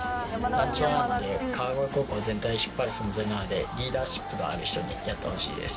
団長なんで川越高校全体を引っ張る存在なのでリーダーシップがある人にやってほしいです。